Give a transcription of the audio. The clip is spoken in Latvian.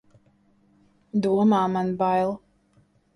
Domā, man bail!